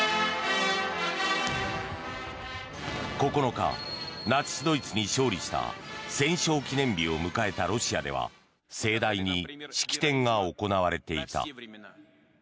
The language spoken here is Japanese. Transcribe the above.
９日、ナチス・ドイツに勝利した戦勝記念日を迎えたロシアでは盛大に式典が行われていた。